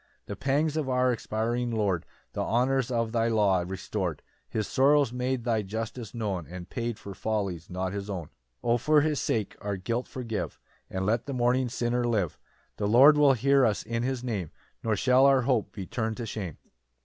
4 The pangs of our expiring Lord The honours of thy law restor'd; His sorrows made thy justice known, And paid for follies not his own. 6 O for his sake our guilt forgive, And let the mourning sinner live; The Lord will hear us in his Name, Nor shall our hope be turn'd to shame.